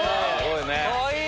かわいい！